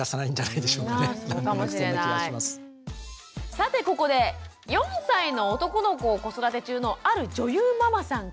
さてここで４歳の男の子を子育て中のある女優ママさんから。